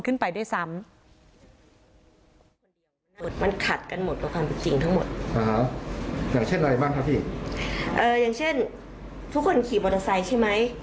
ขึ้นไปด้วยซ้ำ